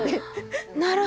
なるほど！